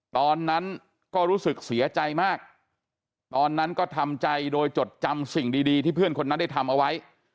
ตอนนั้นก็รู้สึกเสียใจมากตอนนั้นก็ทำใจโดยจดจำสิ่งดีที่เพื่อนคนนั้นได้ทำเอาไว้